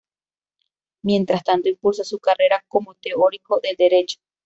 Mientras tanto, impulsó su carrera como teórico del Derecho.